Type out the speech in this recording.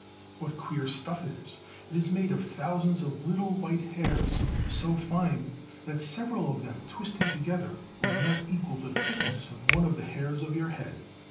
What queer stuff it is ! It is made of thousands of little white hairs, so fine that several of them twisted together would not equal the thickness of one of the hairs of your head.